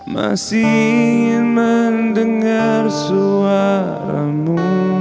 masih ingin mendengar suaramu